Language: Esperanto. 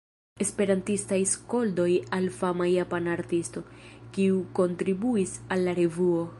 Esperantistaj skoldoj al fama japana artisto, kiu kontribuis al la revuo.